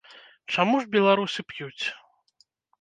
Чаму ж беларусы п'юць?